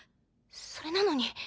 それなのに。